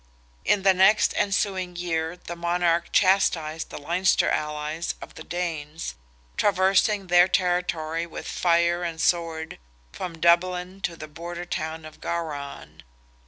In the next ensuing year the monarch chastised the Leinster allies of the Danes, traversing their territory with fire and sword from Dublin to the border town of Gowran.